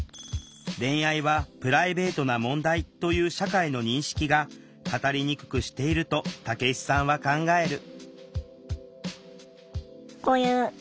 恋愛はプライベートな問題という社会の認識が語りにくくしていると武子さんは考える